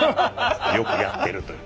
よくやってるという。